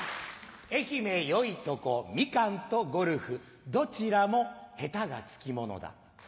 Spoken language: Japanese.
愛媛よいとこミカンとゴルフどちらもヘタがつきものだ。